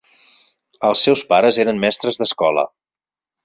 Els seus pares eren mestres d'escola.